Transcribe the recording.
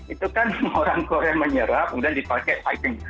itu kan orang korea menyerap kemudian dipakai fighting